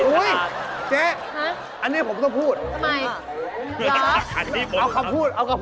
อุ๊ยเจ๊อันนี้ผมต้องพูดหรือเอาคำพูด